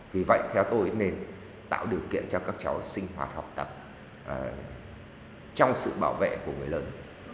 vì vậy theo tôi nên tạo điều kiện cho các cháu sinh hoạt học tập trong sự bảo vệ của người lớn